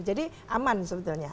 jadi aman sebetulnya